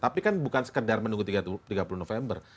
tapi kan bukan sekedar menunggu tiga puluh november